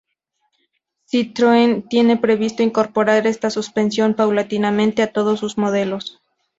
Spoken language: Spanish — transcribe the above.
Citroën tiene previsto incorporar esta suspensión paulatinamente a todos sus modelos.